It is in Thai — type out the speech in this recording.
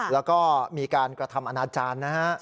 แล้วก็มีการกระทำอนาจารย์นะฮะ